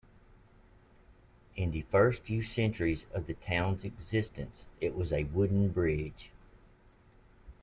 In the first few centuries of the town's existence, it was a wooden bridge.